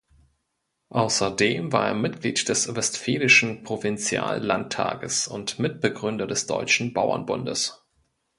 Außerdem war er Mitglied des Westfälischen Provinziallandtages und Mitbegründer des Deutschen Bauernbundes.